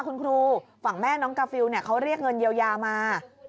คุณครูฝั่งแม่น้องกาฟิลเขาเรียกเงินเยียวยามา